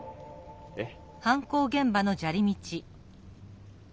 えっ？